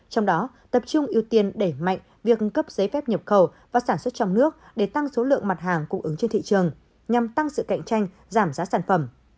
trong đó tập trung ưu tiên đẩy mạnh việc cấp giấy phép nhập khẩu và sản xuất trong nước để tăng số lượng mặt hàng cung ứng trên thị trường nhằm tăng sự cạnh tranh giảm giá sản phẩm